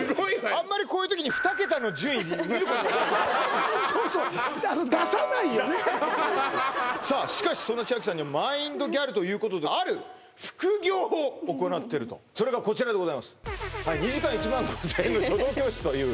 あんまりこういう時にそうそうしかしそのＣＨＩＡＫＩさんにマインドギャルということである副業を行ってるとそれがこちらでございます違うの？